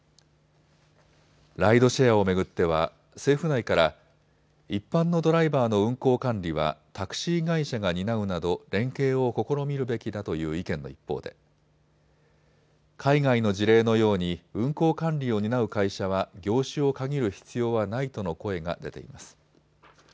ライドシェアを巡っては政府内から一般のドライバーの運行管理はタクシー会社が担うなど連携を試みるべきだという意見の一方で海外の事例のように運行管理を担う会社は業種を限る必要はないとの声が出ています。